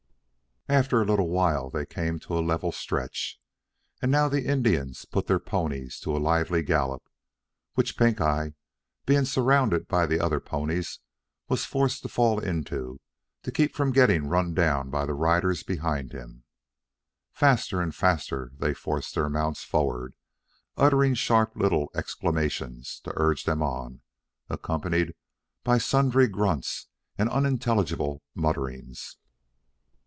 After a little they came to a level stretch, and now the Indians put their ponies to a lively gallop, which Pink eye, being surrounded by the other ponies, was forced to fall into to keep from getting run down by the riders behind him. Faster and faster they forced their mounts forward, uttering sharp little exclamations to urge them on, accompanied by sundry grunts and unintelligible mutterings.